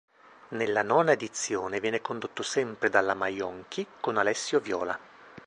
Nella nona edizione viene condotto sempre dalla Maionchi con Alessio Viola.